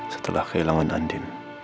setelah kehilangan andi